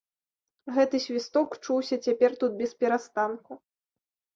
Гэты свісток чуўся цяпер тут бесперастанку.